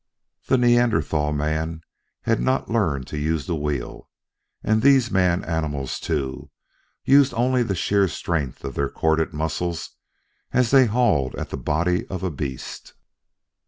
The Neanderthal Man had not learned to use the wheel; and these man animals, too, used only the sheer strength of their corded muscles as they hauled at the body of a beast.